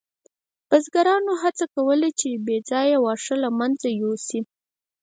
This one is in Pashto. بزګرانو هڅه کوله چې بې ځایه واښه له منځه یوسي.